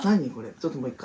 ちょっともう一回。